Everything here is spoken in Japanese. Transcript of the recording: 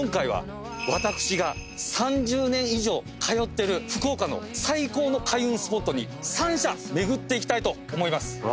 私が３０年以上通ってる福岡の最高の開運スポット３社巡っていきたいと思います。